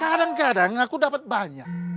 kadang kadang aku dapat banyak